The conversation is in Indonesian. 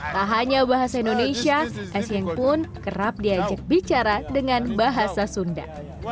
tak hanya bahasa indonesia esyeng pun kerap diajak bicara dengan bahasa sunda